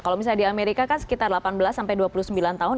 kalau misalnya di amerika kan sekitar delapan belas sampai dua puluh sembilan tahun